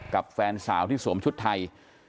แฟนสาวที่สวมชุดไทย